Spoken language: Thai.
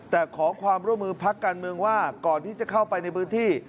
แต่ขอความร่วมมือพักการเมืองว่าก่อนที่จะเข้าไปในพื้นที่